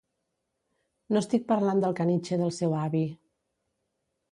No estic parlant del caniche del seu avi.